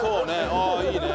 ああいいね。